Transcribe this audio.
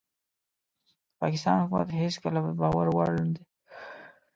د پاکستان حکومت هيڅکله دباور وړ نه دي